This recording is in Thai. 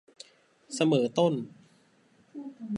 เสมอต้น